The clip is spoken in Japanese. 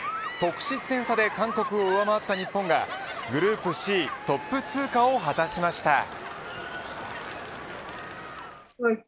得失点差で韓国を上回った日本がグループＣトップ通過を果たしました。